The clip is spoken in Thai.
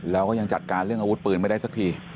แล้วก็ยังจัดการเรื่องอาวุธปืนไม่ได้สักที